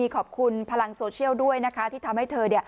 ขอบคุณพลังโซเชียลด้วยนะคะที่ทำให้เธอ